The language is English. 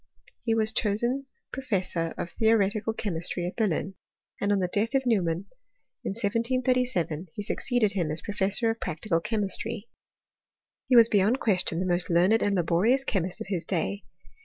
He was chosen professor of theoretical che mistry at Berlin ; and on the death of Neumann, in 1737, he succeeded him as professor of practical che taistry. He was beyond question the most learned arid laborious chemist of his day.